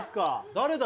誰だ？